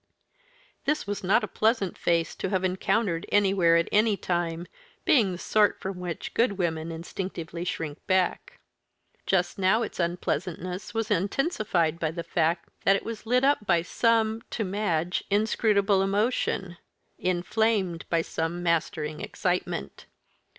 This was not a pleasant face to have encountered anywhere at any time, being the sort from which good women instinctively shrink back. Just now its unpleasantness was intensified by the fact that it was lit up by some, to Madge, inscrutable emotion; inflamed by some mastering excitement.